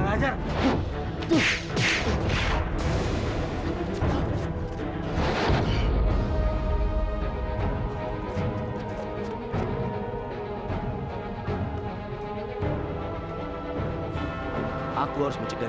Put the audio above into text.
saya juga merasakan kejadian aneh